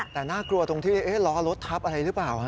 แต่น่ากลัวตรงที่ล้อรถทับอะไรหรือเปล่า